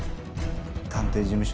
探偵事務所